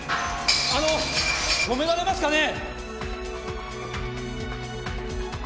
あの止められますかね？